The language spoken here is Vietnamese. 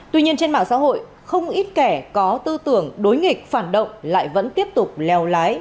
tuy nhiên trên mạng xã hội không ít kẻ có tư tưởng đối nghịch phản động lại vẫn tiếp tục leo lái